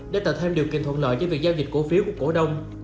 để tạo thêm điều kiện thuận lợi cho việc giao dịch cổ phiếu của cổ đông